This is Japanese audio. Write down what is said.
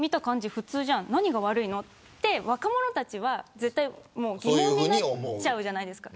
普通じゃん何が悪いのって若者たちは絶対に疑問になっちゃうじゃないですか。